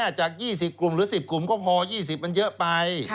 จาก๒๐กลุ่มหรือ๑๐กลุ่มก็พอ๒๐มันเยอะไป